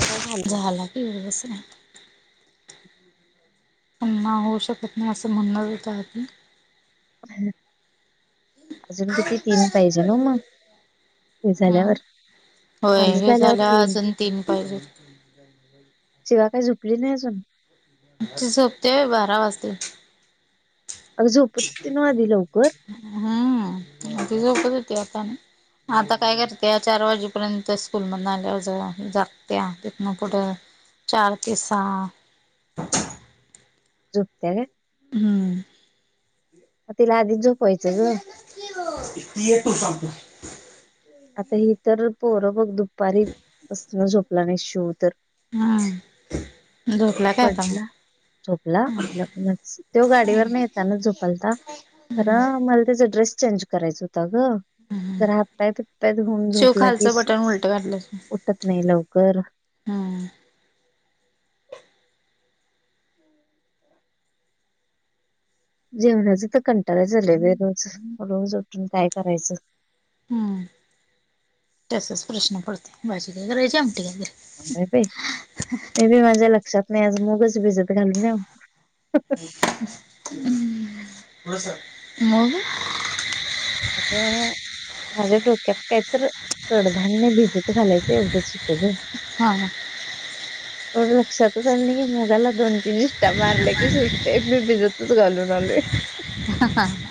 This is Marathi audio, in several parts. आसं झालं. झाला. पण माऊ शकत नाई आसं म्हणण चालती. अजून किती तीन पाहिजे ना ओ म? हे हम्म झाल्यावर होय माझं हे झाल्यावर झाल्या तीन अजून पाहिजेत शिवा काही झुपली नाही अजून त हपते बारा वाजते. अग झोपत त न आध लवकर हम्म ती झोपत होती आता आता काय करते चार वाजेपर्यंत स्कूल मधून आल्यावरज जगत्या तथ ना कुठं चचाारकी सहा झुपते ना हम्म तिला आधी झोपायचं ग इते ये तुला सांगतो. आता ही तर पोरं बघ दुपारी झोपला नाही शिव तर हम्म च झोपला काय आता पटलं मग झोपला आपल्याूनच तो गाडीवर न येताना झोपलता. खर मला त्याचा ड्रेस चेंज करायचा होता ग हम्म जर हात काय तर तऊन शिव झोपला खालचं कीस बटन उलटं उठत नाही लवकर हा जेवणाच तर कंटाळायच झाले बेरोज रोज उठून काय करायचं. तसच प्रश्न पडते भाजी कागैरायची आमटी वगैरे काय बा ते बी माझ्या लक्षात नाही आज मगच भिजत घालून या म का आता माझ्या डोक्यात काय तर चडधान्य भिजत घालायचं एवढंच होतं ग हा एर्ड लक्षात सणणी मुघला दोंड निस्टा मारले की सुते मी भिजतच घालून आलोय.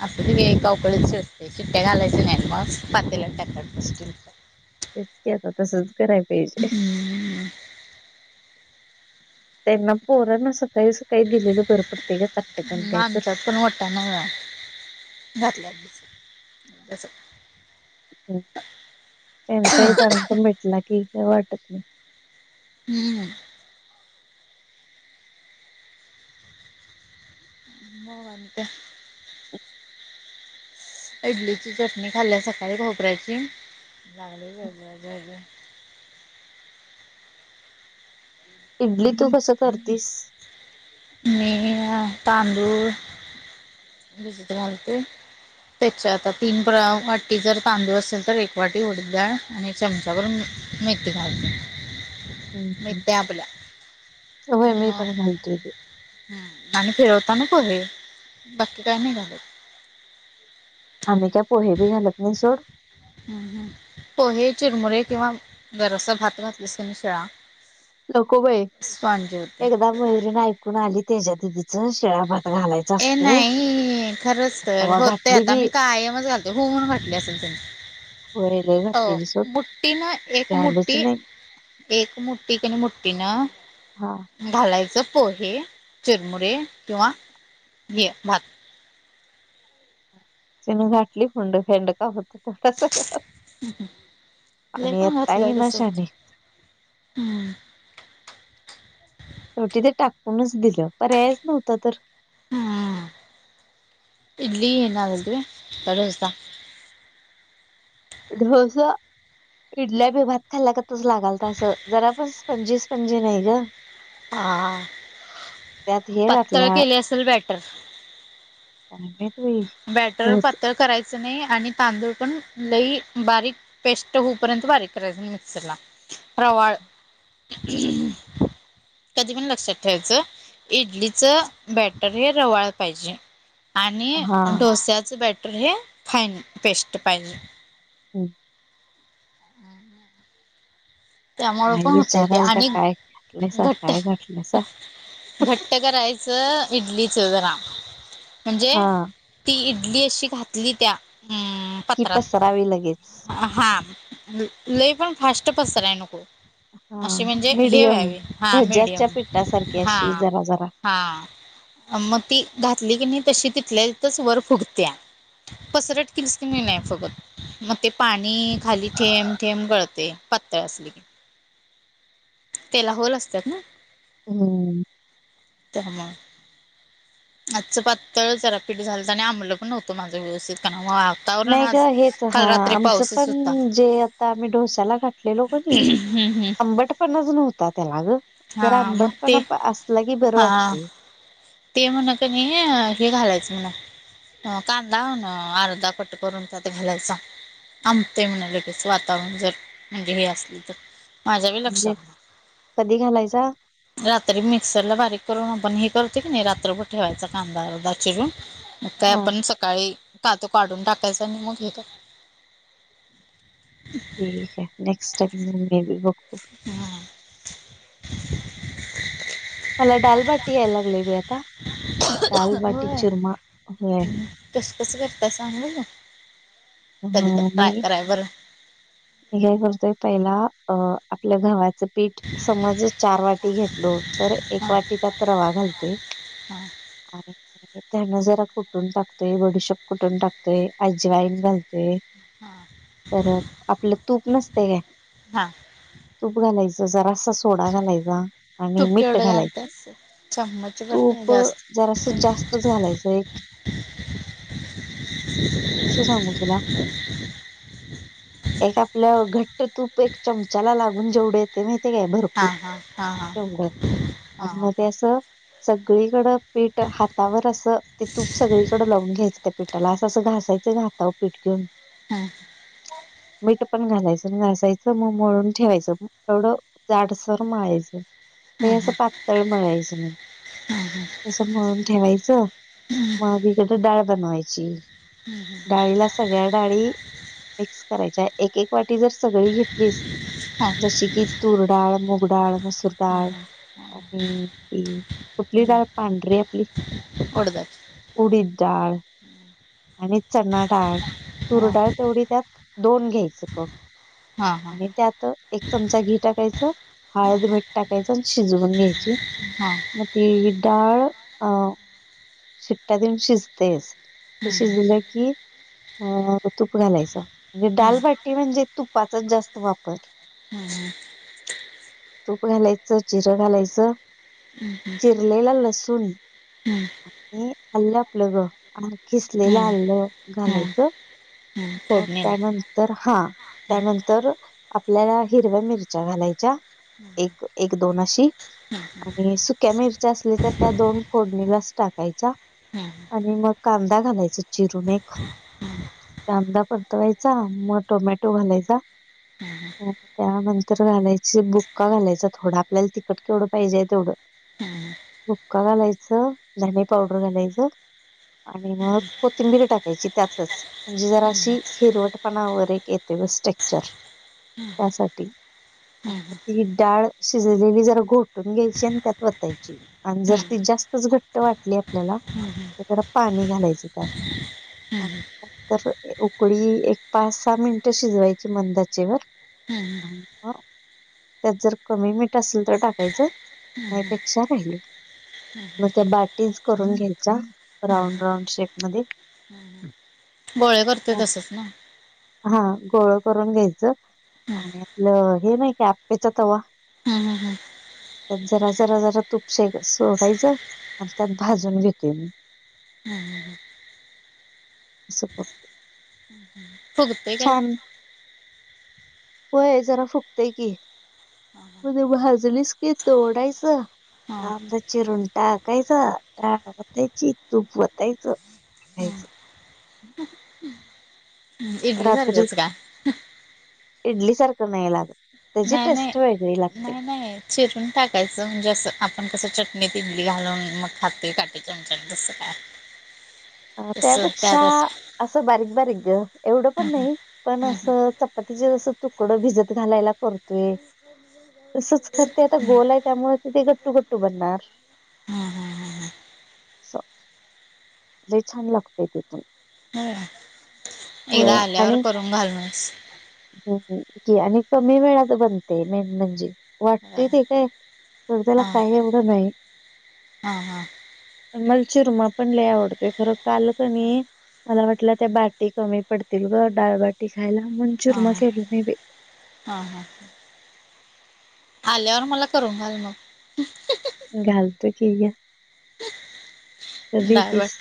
असं त व अवकळीच ते खिट्ट्या घालायच नाही मच पातेला टाक बसतील. तेच क आता तसच कराय पाहिजे. हम्म त्यांना पोर न सं काळी स काही दिलेलं बरं पडते का चटकण काय तर ना घातल्यात त्यांच एक त्यांंत भेटला की का वाटत नाही. हम्म प का इडलीची चटणी खाल्ल्या सकाळी खोपऱ्याची लागली. इडली तू कस करतीस. मी तांदूळ दिसत घालते. त्याच्या आता तीन प्र वाटी जर तांदूळ असेल तर एक वाटी उडीडाळ आणि एक चमचा भरून मेथी घालते. हम् हम् मेथ्या आपल्या होय मी पण घालतोय ते. ह आणि फिरवताना पो हे बाकी काय नाहीघाले आम्ही काय पोहे बी घालत नाही सोड हम् हम् पोहे चिरमुरे किंवा दरस भात घातल्यास निशिळा नको बाई होते. एकदा मयुरीण ऐकून आली त्याच्या दिदी ए नाही खरंच तर तवा होते घातली आता बी मी-' कायमच घालते होऊून घटली असेल त्यांनी हो अठी ना एकठी नाही एकठी कठठी ना हा घालायचं पोहे चिरमुरे किंवा हे भात घाली फुंड फेंड का हो [unintelligible] णार लय आणि य पण घातलंय तही कसं होत नशाने [unintelligible] हम्म शेवटी ते टाकूनच दिलं पर पर्यायच नव्हता तर हम् इडली नगते कडोसा [unintelligible] ढोस इडल्या बी भात खाल्ला गतच लागालता असं जरा पण पंचवीस पंजी नाही ग. हा त्यात हे पातळ घातला केले असेल बॅटर. ह [inaudible] [unintelligible] बॅटर पातळ करायचं नाही आणि तांदूळ पण लई बारीक पेस्ट होऊपर्यंत बारीक करायचं ना मिक्सरला रवाळ कधी पण लक्षात ठेवायचं इडलीचं बॅटर हे रवाळ पाहिजे आणि हा डोस्याच बॅटर हे फाईन पेस्ट पाहिजे. हम् हम् [unintelligible] त्यामुळ आई पण होतय ते विचारालता आणि काय घातलायसा घट्ट काय घातलायसा घट्ट करायच असं इडलीचं जरा म्हणजे हा ती इडली अशी घातली त्या हम की पत्रात पसरावी लगेच. हा लय पण फास्ट पसराय नको. अशी हा म्हणजे हे मीडियम वावी हा भज्याच्या मीडियम पिठासारखी हा. अशी जरा जरा हा मग ती घातली की नाही तशी तिथल्या तिथच वर फुगत्या. पसरट केलीस की नाही फुगत मग ते पाणी खाली ठेम ठेम गळतय पातळ असली की तेला होल असतात ना. हम् तेव्हा आजचं पातळ जरा पीठ झालंत आणि आंमलं पण नवतं माझं व्यवस्थित त्यामुळे नाही ग हेच हा आमचं होता पण जे आता आम्ही ढोश्याला घा लेलो कनी आंबट पणाच नव्हता त्याला ग जरा हा मग आंबट ते पण असलं की बरं हा वाटते. ते म्हण कनी हे घालायचं म्हण' हो कांदा म्हन अर्धा कट करून त्यात घालायचा आबतय म्हण लगेच वातावरण जर म्हणजे हे असलं तर माझ्या बी लक्षात म्हणजे नाही. कधी घालायचा? रात्री मिक्सरला बारीक करून आपण हे करते की नाही रात्रभर ठेवायचा कांदा अर्धा चिरून मग काय हा आपण सकाळी कातू काढून टाकायचा आणि मग हे ठीक आहे नेक्स्ट टाइम मेी बी बघतो. हा. मला डालबाटी याय लागलय बाई आता डालबाटी चुरमा होय. कस कसं करताय सांग बगु कधी ह तर मी ट्राय कराय बरं. मी काय करतोय पहिला अ आपल्या घवात च पीठ समज चार वाटी घेतलो तर एक हां वाटी त्यात रवा घालतोय हां आणि त्यांना जरा कुठून टाकतोय बडशप कुठून टाकतोर आजवाईन घालते हा तर आपलं तूप नसतय काय हा तूप घालायचं जरासा सोडा घालायचा आणि मीठ घालायच चमच भर काय? प जास्त जरासं जास्तच घालायचंय. [unintelligible] कसं सांगू तुला? एक आपलं घट्ट तूप एक चमचाला लागून जेवढे येतं माहिती काय भर पूर, हां हां हां हां तेवढं हां आणि म हां ते हां असं सगळीकडं पीठ हातावर असं ते तूप सगळीकडं लावून घ्यायचं, त्या पीठाला असं असं घास च ग हाताव पीठ घेऊन. हम्म मीठ पण घालायचं, अन घासायचं मग मळून ठेवायचं म थोडं जाडसर मळायचं. लय असं पातळ मळायचं नाही. तसं मळून ठेवायचं, म आधी इकडं डाळ बनवायची. डाळीला सगळ्या डाळी, मिक्स करायच्या एक एक वाटी जर सगळी घेतलीस जशी की तुरडाळ, मुगडाळ मसु हां हां रडाळ आणि ती कुठली डाळ पांढरीे आपली उडदाची उडीद डाळ आणि चणा डाळ, तूर हां डाळ तेवढी त्यात दोन घ्यायचं कप. हां हां आणि त्यात एक चमचा घी टाकायचं हळद, मीठ टाकायचं आणि शिजवून घ्यायची. हा मग ती डाळ अ शिट्ट्या देऊन शिजतेच. ते हम्म शिजलं की अ तूप घालायचं, म्हणजे डाल हम्म भात टी म्हणजे तुपाचा जास्त वापर. हम्म तूप घालायचं जिरं घालायचं. हम्म चिरलेला लसूण आणि आल्लं आपलं ग. खिसलेलं हम्म हम्म आल्लं हम्म घालायचं हम्म म फोडणीला त्यानं तर हा, त्यानंतर आपल्याला हिरव्या मिरच्या घालायच्या. एक एक दोन अशी. हम्म आणि सुक्या मिरच्या असल्या तर त्या दोन फोडणीलाच टाकायच्या हम्म आणि मग कांदा घालायचा चिरून एक. कांदा परतवायचा, मग टोमॅटो घालायचा. त्यानंतर घालायचे बुक्का घालायचा थोडं आपल्याला तिखट केवढं पाहिजे तेवढं. हम्म बुक्का घालायचं धने पावडर घालायचं. आणि मग कोथिंबीरी टाकायची त्यातच, म्हणजे जरा अशी हिरवट पणा वर एक येते व स्ट्रेक्चर त्यासाठी. आता हम्म ती डाळ शिजलेली जरा घोटून घ्यायची आणि त्यात वतायची. आणि जर ती हम्म जास्तच घट्ट वाटली आपल्याला, हम्म तर पाणी घालायचं त्यात. आणि नंतर उकळी एक पाच सहा मिनिटं शिजवायची मंद आचेवर. हम्म हम्म आणि मग त्यात जर कमी मीठ असेल तर टाकायचं. यापेक्षा राहिलं, मग त्या बाटीच करून घ्यायच्या. राऊंड राऊंड शेप मध्ये हम्म हम्म, गोळे करतोय तसच ना? हा गोळं करून घ्यायचं हम्म आणि आपलं हे नाहि का आप्पेचा तवा हम्म हम्म हम्म त्यात जरा जरा जरा तुप श सोडायचं आणि त्यात भाजून घेतेय मी. हम्म हम्म हम्म [unintelligible] फुगते काय. छान होय जरा फुक्तय की म्ह भाजलीस की तोडायचं हां आमद चिरून टाकायचं डाळ वतायची तूप वतायचं हेच इडली रात्री सारखंच का इडली सारखं नाही लागत त्याची नाही नाही टेस्ट वेगळी नाही लागत्यात नाही चिरून टाकायचं म्हणजे असं आपण कसं चटणीत इडली घालून मग खाते काटे चमचानी तस काय [unintelligible] अ तसं त्यापेक्षा त्यात असं. असं बारीक बारीक एवढं पण हम्म नाही. पण हम्म हम्म असं चपातीचे जसं तुकडं भिजत घालायला करतोय. तसंच खरं ते आता गोल आहे त्यामुळे ते ते गट्टू गट्टू बनणार. हम्म हम्म हम्म स लय छान लागतय ते पण एकदा होय आल्यावर करून घाल मस हो हो आणि कमी वेळात बनते मेन म्हणजे ह वाटते ते काय. तर त्याला हा काही एवढं नाही. हा हा मला चिरुमा पण लय आवडतोय खरं काल कणी मला वाटलं ते बाटी कमी पडतील ग डाळबाटी खायला मण हा चुरमा केली मी बाई हा हा ह आल्यावर मला करून घाल मग. गलते की या ताबेतीस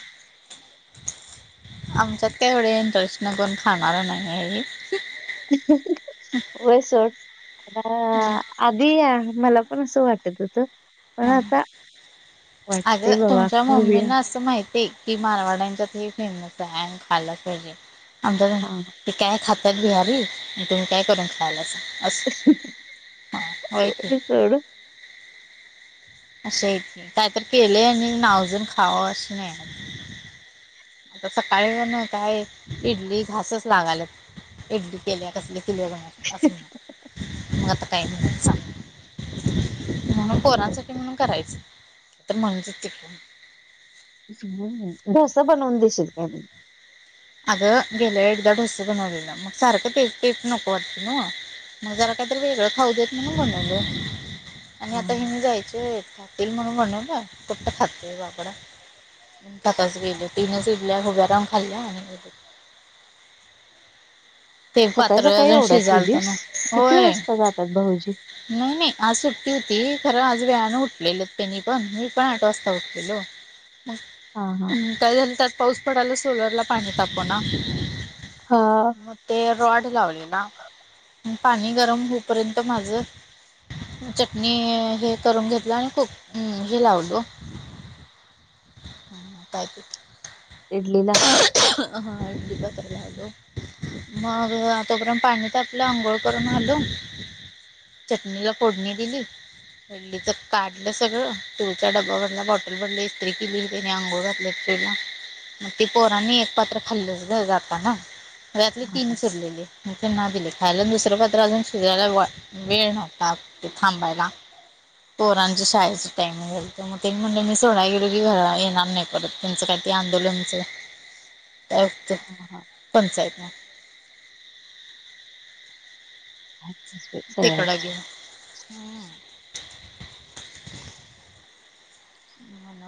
आमचा तेवढे इंटरेस्ट नाही कोण खाणार नाही आहे. वे सर. आधी मला पण असं वाटत होत पण आता. आज वाटते बाबा तुमच्या खाऊया मम्मीना असं माहिती. ते की मारवाड्यांच्यात हे फेमस आहे आणि खाला पाहिजे आम हा. ते काय खातात बिहारी आणि तुम्ही काय करून खायला अस अस हा होय की इनऑडिबल असं काय तर केले आणि नावजून खावं अशी नाही आता सकाळी ना काय इडली घासच लागालत इडली केल्या कसली किलोबा असून मत काय सांग? म्हण असं नाही. पोरांसाठी म्हणून करायचं तर म्हणज तिकून. ह डोसा बनवून देशील का म. आता गेले एकदा ड्रस बनवलेला मग सारखं ते तेस् नको वाटती न. मग जरा काहीतरी वेगळं खाऊ देत म्हणून म्हनवल आणि हा. आता हे मी जायचे आहेत. ख म्हणून म्हण ना कुठ्ट खातातोय बापडा. सताच गेल तीनच इडल्या उभ्याराम खाल्ल्या आणि ते सकाळी पात्र सकाळी अजून एवढा शिजाल त पिलीस ना किती होय वाजता जातात भाऊजी नाही नाही आज सुट्टी होती खरं आज वेयानें उठलेलं त्यांनी पण मी पण आठ वाजता उठलेलो हा हा मगम् काय झालं त्यात पाऊस पडायला सोलरला पाणी तापो ना हा ते रॉड लावले ना पाणी गरम होपर्यंत माझ चटणी हे करून घेतलं आणि खूप हे लावलो हम् कायत इडलीला. हा ज कालालो. मग आताोपर्यंत पाणी आपलं आंघोळ करून घालू चटणीला फोडणी दिली. वल्लीचं काढलं सगळं तुळचा डब्बा भनला बॉटल भनली इस्त्री केलेली. तिने अंघोळ घातले फ्रीला मग ती पोरांनी एक पात्र खाल्लं जड जाता ना. रात्री हा तीन हा सुरलेले. म त्यांना दिले खायला दुसरं पात्र अजून शिजायला व वेळ नव्हता ते थांबायला. पोरांच्या शाळेचा टाईम झालत मग ते म्हणले मी सोडाय गेलो की घरला येणार नाही परत. त्यांचं काय ते आंदोलनचं. हा हा [unintelligible] पंचाइतना. [inaudible] तिकड घेऊन हम्म.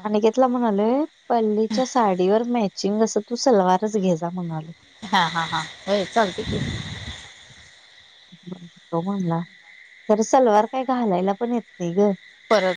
अनिकेतला म्हणालो पल्लीच्या साडीवर मॅचिंग असं तू सलवारच घेजा म्हणाले. हा हा हा होय चालत की. [unintelligible] तो म्हणला तरी सलवार काय घालायला पण येत नाही ग. परत.